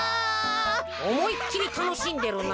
おもいっきりたのしんでるな。